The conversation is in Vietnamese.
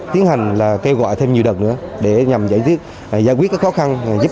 thì hôm nay là riêng đoàn thanh niên ma thành phố sẽ có hơn bốn trăm linh chai